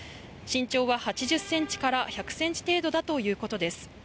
身長は８０ｃｍから１００ｃｍ程度だということです。